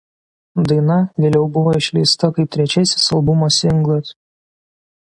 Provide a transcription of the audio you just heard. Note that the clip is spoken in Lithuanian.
Daina vėliau buvo išleista kaip trečiasis albumo singlas.